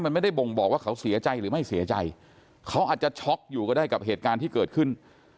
มันไม่ได้บ่งบอกว่าเขาเสียใจหรือไม่เสียใจเขาอาจจะช็อกอยู่ก็ได้กับเหตุการณ์ที่เกิดขึ้น